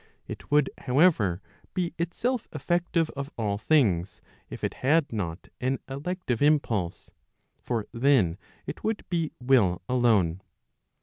It would, however, be itself effective of all things, if it had not an elective impulse; for then it would be will alone.